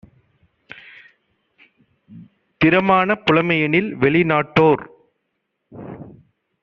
திறமான புலமையெனில் வெளி நாட்டோ ர்